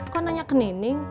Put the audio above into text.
kok nanya ke neneng